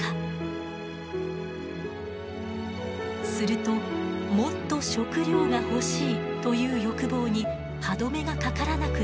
するともっと食料が欲しいという欲望に歯止めがかからなくなりました。